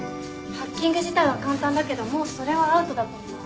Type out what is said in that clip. ハッキング自体は簡単だけどもうそれはアウトだと思う。